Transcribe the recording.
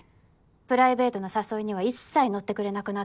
プライベートな誘いには一切乗ってくれなくなって。